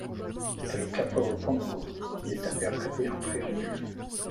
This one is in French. C'est le Kapa o Pango qui est interprété en préambule.